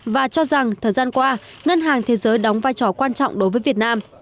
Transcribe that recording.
và cho rằng thời gian qua ngân hàng thế giới đóng vai trò quan trọng đối với việt nam